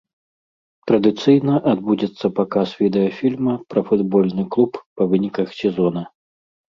Традыцыйна адбудзецца паказ відэафільма пра футбольны клуб па выніках сезона.